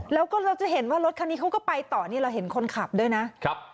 แล้วก็เราจะเห็นว่ารถคันนี้เขาก็ไปต่อนี่เราเห็นคนขับด้วยนะครับ